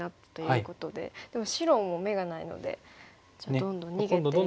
でも白も眼がないのでじゃあどんどん逃げていくしかないですね。